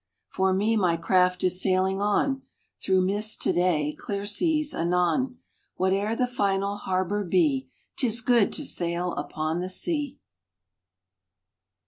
For me, my craft is sailing on, Through mists to day, clear seas anon. Whate er the final harbor be Tis good to sail upon the sea